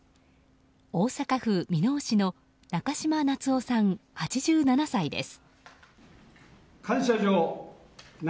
大阪府箕面市の中嶋夏男さん、７８歳です。